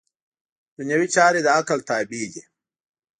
دنیوي چارې د عقل تابع دي.